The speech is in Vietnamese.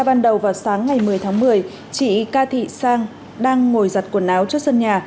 ban đầu vào sáng ngày một mươi tháng một mươi chị ca thị sang đang ngồi giặt quần áo trước sân nhà